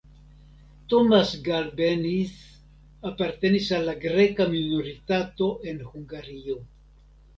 Tomasz Galbenisz apartenis al la greka minoritato en Hungario.